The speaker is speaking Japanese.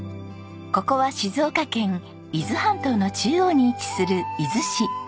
ここは静岡県伊豆半島の中央に位置する伊豆市。